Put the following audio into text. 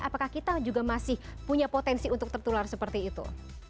apakah kita juga masih punya potensi untuk tertular seperti itu